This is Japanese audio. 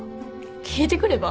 聞いてくれば？